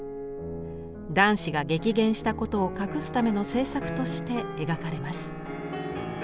男子が激減したことを隠すための政策として描かれます。